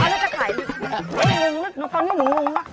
อย่าลืมลูกชายไม่มรึงลงละ